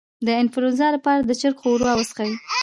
د انفلونزا لپاره د چرګ ښوروا وڅښئ